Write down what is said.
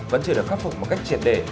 vẫn chưa được khắc phục một cách triển đề